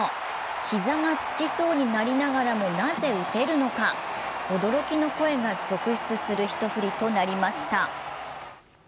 膝がつきそうになりながらもなぜ打てるのか、驚きの声が続出する一振りとなりました。